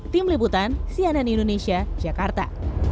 tim liputan cnn indonesia jakarta